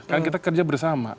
kan kita kerja bersama